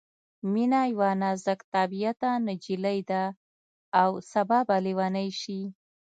مينه یوه نازک طبعیته نجلۍ ده او سبا به ليونۍ شي